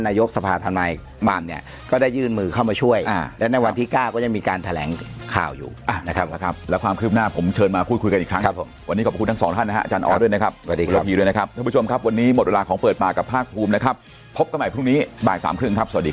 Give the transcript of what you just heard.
นายกสภาฑ์ธนาไนบ้านเนี่ยก็ได้ยืนมือเค้ามาช่วยและในวันที่กล้าก็ยังมีการแถลงค่าอยู่